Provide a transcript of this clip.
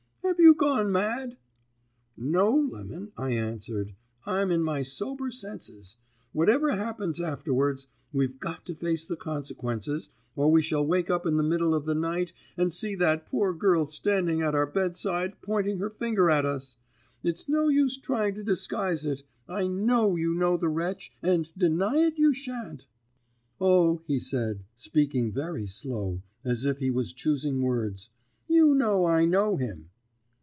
'Have you gone mad?' "'No, Lemon,' I answered, 'I'm in my sober senses. Whatever happens afterwards, we've got to face the consequences, or we shall wake up in the middle of the night and see that poor girl standing at our bedside pointing her finger at us. It's no use trying to disguise it. I know you know the wretch, and deny it you shan't.' "'O,' he said, speaking very slow, as if he was choosing words, 'you know I know him!'